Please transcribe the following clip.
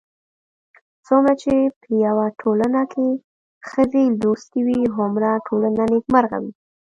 څومره چې په يوه ټولنه کې ښځې لوستې وي، هومره ټولنه نېکمرغه وي